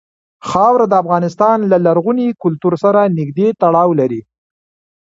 خاوره د افغانستان له لرغوني کلتور سره نږدې تړاو لري.